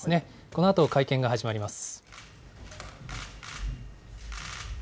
このあと会見が始まります。